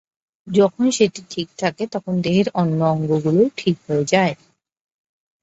যখন সেটি ঠিক থাকে, তখন দেহের অন্য অঙ্গগুলোও ঠিক হয়ে যায়।